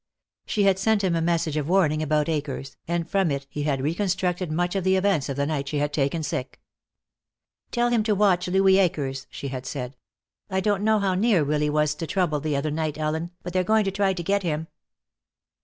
She had sent him a message of warning about Akers, and from it he had reconstructed much of the events of the night she had taken sick. "Tell him to watch Louis Akers," she had said. "I don't know how near Willy was to trouble the other night, Ellen, but they're going to try to get him."